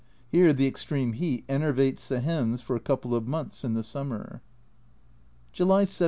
Here the extreme heat enervates the hens for a couple of months in the summer. July 17.